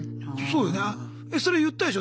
そうよね。